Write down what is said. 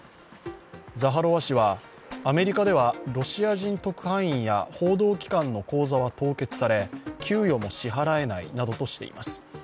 ザハロワ氏は、アメリカではロシア人特派員や報道機関の口座は凍結され、給与も支払えないなどとしています。